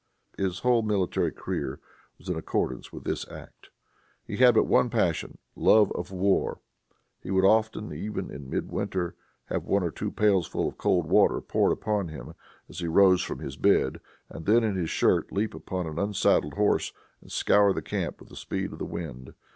His whole military career was in accordance with this act. He had but one passion, love of war. He would often, even in mid winter, have one or two pailsful of cold water poured upon him, as he rose from his bed, and then, in his shirt, leap upon an unsaddled horse and scour the camp with the speed of the wind.